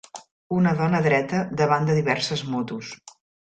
una dona dreta davant de diverses motos